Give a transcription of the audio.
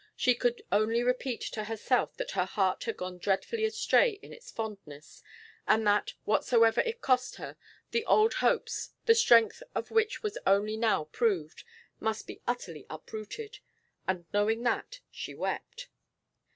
She could only repeat to herself that her heart had gone dreadfully astray in its fondness, and that, whatsoever it cost her, the old hopes, the strength of which was only now proved, must be utterly uprooted. And knowing that, she wept.